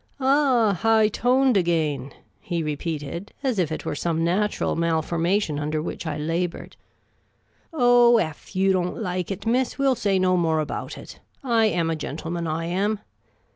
" Ah, high toned again ?" he repeated, as if it were some natural malforma tion under which I laboured. *' Oh, ef you don't like it, miss, we '11 say no more about it, I am a gentleman, I am.